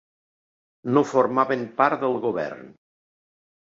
No formaven part del govern.